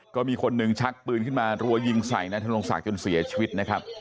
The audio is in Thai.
ก็มีคนหนึ่งชักปืนขึ้นมารัวยิงใส่นายธนงศักดิ์จนเสียชีวิตนะครับ